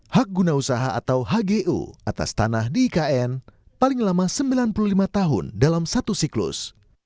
hak guna usaha atau hgu atas tanah di ikn paling lama sembilan puluh lima tahun dalam satu siklus